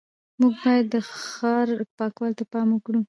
موږ باید د ښار پاکوالي ته پام وکړو